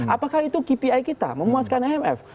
apakah itu kpi kita memuaskan imf